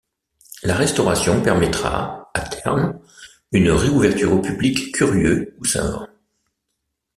La restauration permettra, à terme, une réouverture au public curieux ou savant.